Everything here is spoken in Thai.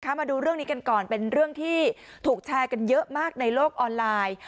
มาดูเรื่องนี้กันก่อนเป็นเรื่องที่ถูกแชร์กันเยอะมากในโลกออนไลน์